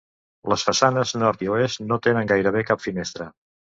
Les façanes nord i oest no tenen gairebé cap finestra.